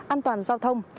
an toàn giao thông